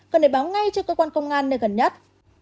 cần để báo ngay cho cơ quan công an nơi gần nhất